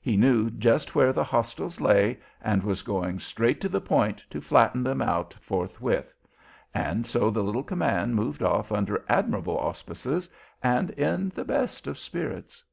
He knew just where the hostiles lay, and was going straight to the point to flatten them out forthwith; and so the little command moved off under admirable auspices and in the best of spirits.